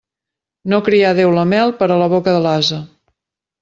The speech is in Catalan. No crià Déu la mel per a la boca de l'ase.